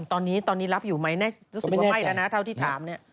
ตอนนี้ตอนนี้รับอยู่ไหมรู้สึกว่าไม่แล้วนะเท่าที่ถามเนี่ย